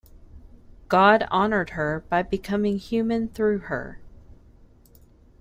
God honoured her by becoming human through her.